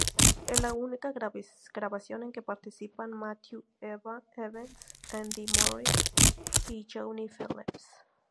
Es la única grabación en que participan Matthew Evans, Andi Morris y Johnny Phillips.